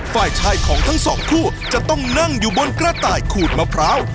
ฝ่ายชายของทั้งสองคั่วจะต้องนั่งอยู่บนกระต่ายขูดมะพร้าว